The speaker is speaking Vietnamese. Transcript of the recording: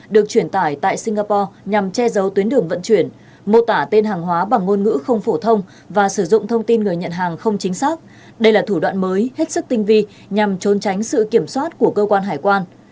được truyền tải tại singapore nhằm che giấu tuyến đường vận chuyển mô tả tên hàng hóa bằng ngôn ngữ không phổ thông và sử dụng thông tin người nhận hàng không chính xác đây là thủ đoạn mới hết sức tinh vi nhằm trốn tránh sự kiểm soát của cơ quan hải quan